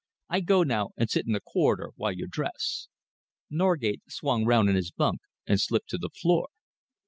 I go now and sit in the corridor while you dress." Norgate swung round in his bunk and slipped to the floor.